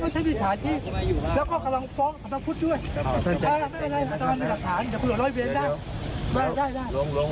ไปดูอารามไหนอาจจะมาขอสามเทียงนะว่า